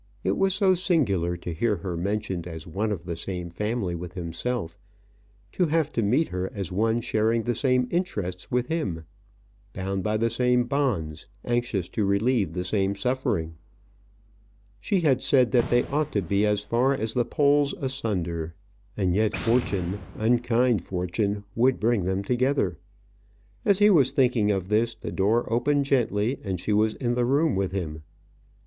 It was so singular to hear her mentioned as one of the same family with himself; to have to meet her as one sharing the same interests with him, bound by the same bonds, anxious to relieve the same suffering. She had said that they ought to be as far as the poles asunder; and yet fortune, unkind fortune, would bring them together! As he was thinking of this, the door opened gently, and she was in the room with him.